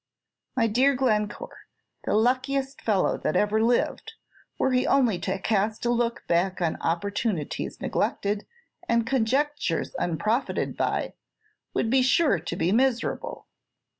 "My dear Glencore, the luckiest fellow that ever lived, were he only to cast a look back on opportunities neglected, and conjunctures unprofited by, would be sure to be miserable.